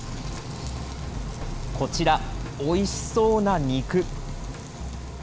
こちら、おいしそうな肉。